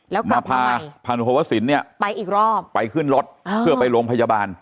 มาพาพาหนุพวศิลป์เนี่ยไปอีกรอบไปขึ้นรถเพื่อไปโรงพยาบาล